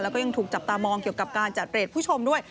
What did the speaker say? แล้วก็ยังถูกจับตามองเกี่ยวกับการจัดเรทผู้ชมด้วย